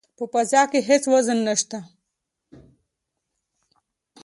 په فضا کې هیڅ وزن نشته.